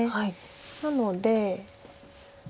なので。